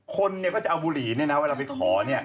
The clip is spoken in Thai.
คนเนี่ยก็จะเอาบุหรี่เนี่ยนะเวลาไปขอเนี่ย